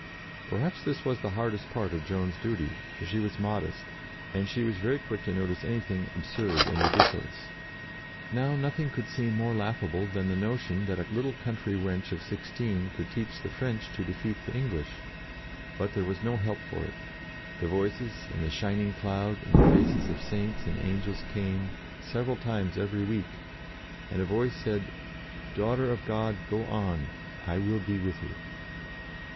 Perhaps this was the hardest part of Joan's duty, for she was modest, and she was very quick to notice anything absurd and ridiculous. Now nothing could seem more laughable than the notion that a little country wench of sixteen could teach the French to defeat the English. But there was no help for it. The Voices, and the shining cloud, and the faces of Saints and angels came, several times every week, and a Voice said, "Daughter of God, go on ! I will be with you."